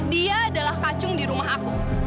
dia adalah kacung di rumah aku